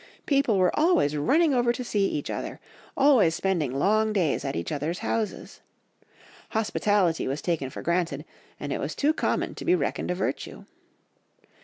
People were always running over to see each other, always spending long days at each other's houses; hospitality was taken for granted, and was too common to be reckoned a virtue.